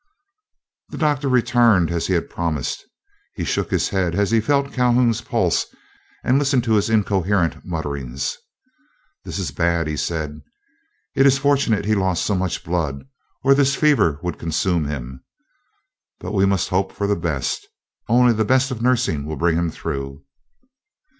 The Doctor returned as he had promised. He shook his head as he felt Calhoun's pulse, and listened to his incoherent mutterings. "This is bad," he said. "It is fortunate he lost so much blood, or this fever would consume him. But we must hope for the best. Only the best of nursing will bring him through."